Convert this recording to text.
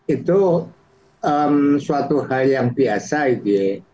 itu suatu hal yang biasa gitu ya